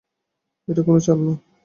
এটা কোনো চাল না।